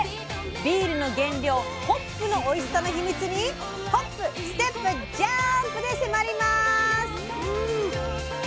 ビールの原料ホップのおいしさのヒミツにホップステップジャーンプで迫ります！